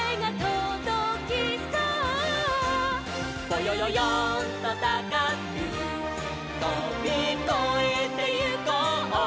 「ぼよよよんとたかくとびこえてゆこう」